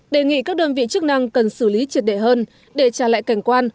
đề nghị các đơn vị chức năng cần xử lý triệt đẻ hơn để trả lại cảnh quan